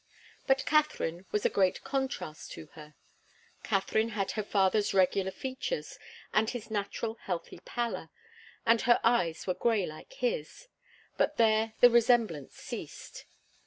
But Katharine was a great contrast to her. Katharine had her father's regular features, and his natural, healthy pallor, and her eyes were grey like his. But there the resemblance ceased.